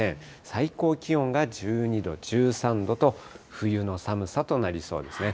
最高気温が１２度、１３度と、冬の寒さとなりそうですね。